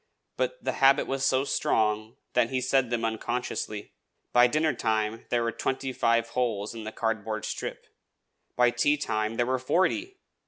But the habit was so strong that he said them unconsciously. By dinnertime there were twenty five holes in the cardboard strip; by tea time there were forty!